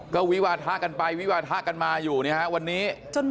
ก็วิวาทะกันไปวิวาทะกันมาอยู่วันนี้